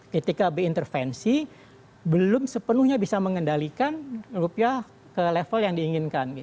ketika diintervensi belum sepenuhnya bisa mengendalikan rupiah ke level yang diinginkan